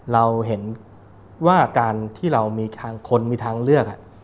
เราเห็นว่าการที่เรามีทางคนมีทางเลือก